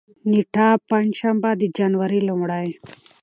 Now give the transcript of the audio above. نېټه: پنجشنبه، د جنوري لومړۍ